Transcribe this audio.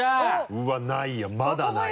うわぁないやまだないよ。